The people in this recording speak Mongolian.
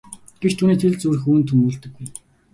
Гэвч түүний сэтгэл зүрх үүнд тэмүүлдэггүй.